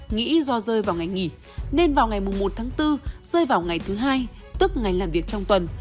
nghĩ do rơi vào ngày nghỉ nên vào ngày một tháng bốn rơi vào ngày thứ hai tức ngày làm việc trong tuần